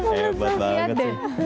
hebat banget sih